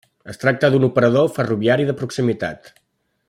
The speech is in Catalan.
Es tracta d'un operador ferroviari de proximitat.